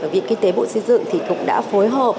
viện kinh tế bộ xây dựng thì cũng đã phối hợp